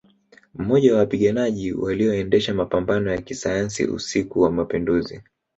Mmoja wa wapiganaji walioendesha mapambano ya kisayansi usiku wa Mapinduzi